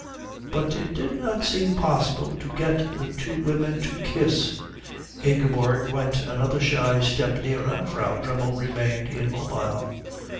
But it did not seem possible to get the two women to kiss. Ingeborg went another shy step nearer. Frau Dremmel remained immobile.